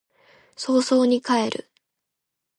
早々に帰る